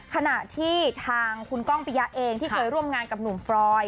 ขณะที่ทางคุณก้องปิยะเองที่เคยร่วมงานกับหนุ่มฟรอย